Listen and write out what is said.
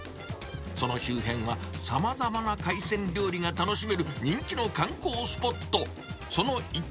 その周辺は、さまざまな海鮮料理が楽しめる、人気の観光スポット。